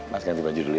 mas ganti baju dulu ya